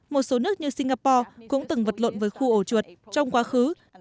một số nước như singapore cũng từng vật lộn với khu ổ chuột trong quá khứ